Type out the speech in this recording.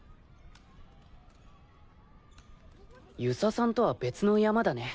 遊佐さんとは別の山だね